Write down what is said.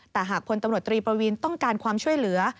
แต่หากพลตำรวจตรีประวีนต้องการความช่วยเหลือ